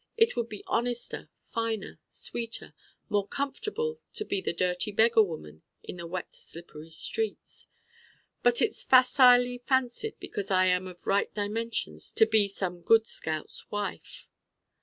it would be honester, finer, sweeter more comfortable to be the dirty beggar woman in the wet slippery streets But it's facilely fancied because I am of Right Dimensions to be some Good Scout's wife.